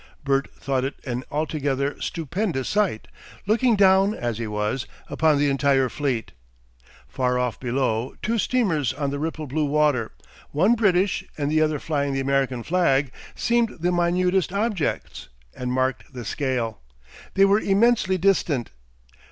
Bert thought it an altogether stupendous sight, looking down, as he was, upon the entire fleet. Far off below two steamers on the rippled blue water, one British and the other flying the American flag, seemed the minutest objects, and marked the scale. They were immensely distant.